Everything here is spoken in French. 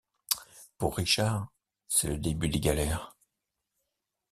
Pour Richard, c’est le début des galères.